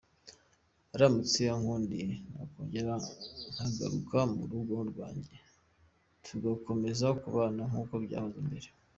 Aramutse ankundiye nakongera nkagaruka mu rugo rwanjye tugakomeza kubana nk’uko byahoze mbere.